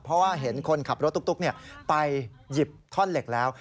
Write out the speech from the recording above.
เพราะว่าเห็นคนขับรถตุ๊กไปหยิบท่อนเหล็กแล้ว